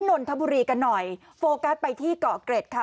นนทบุรีกันหน่อยโฟกัสไปที่เกาะเกร็ดค่ะ